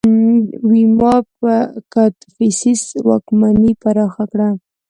ویما کدفیسس واکمني پراخه کړه